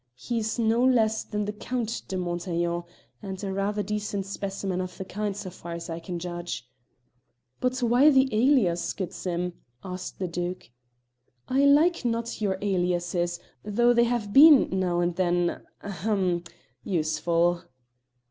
He's no less than the Count de Montaiglon, and a rather decent specimen of the kind, so far as I can judge." "But why the alias, good Sim?" asked the Duke. "I like not your aliases, though they have been, now and then ahem! useful."